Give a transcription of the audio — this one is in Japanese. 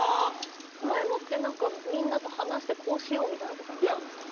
前もってみんなで話してこうしようっていうのはなかったんですか？